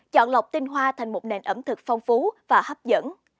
chọn lọc tinh hoa thành một nền ẩm thực phong phú và hấp dẫn